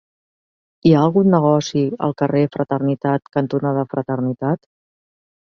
Hi ha algun negoci al carrer Fraternitat cantonada Fraternitat?